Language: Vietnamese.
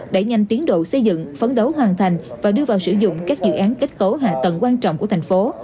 để nhanh tiến độ xây dựng phấn đấu hoàn thành và đưa vào sử dụng các dự án kết cấu hạ tầng quan trọng của thành phố